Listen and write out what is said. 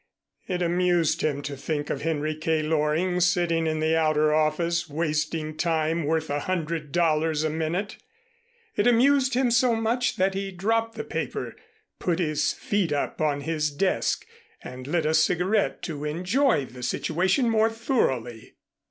It amused him to think of Henry K. Loring sitting in the outer office, wasting time worth a hundred dollars a minute. It amused him so much that he dropped the paper, put his feet up on his desk, and lit a cigarette, to enjoy the situation more thoroughly.